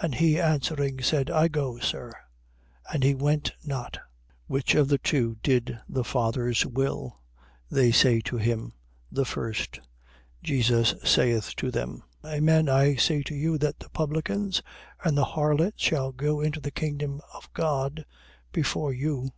And he answering said: I go, Sir. And he went not. 21:31. Which of the two did the father's will? They say to him: The first. Jesus saith to them: Amen I say to you that the publicans and the harlots shall go into the kingdom of God before you.